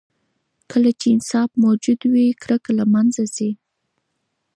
کله چې انصاف موجود وي، کرکه له منځه ځي.